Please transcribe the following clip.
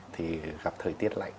thì gặp thời tiết lạnh